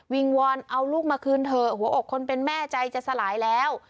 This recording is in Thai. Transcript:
วอนเอาลูกมาคืนเถอะหัวอกคนเป็นแม่ใจจะสลายแล้ว